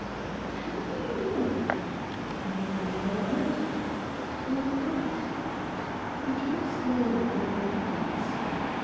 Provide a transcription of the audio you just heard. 'How do you know?' 'How do I know what?' '"Like that"?' He turned slowly towards the looking glass.